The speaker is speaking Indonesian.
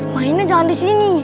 mainnya jangan di sini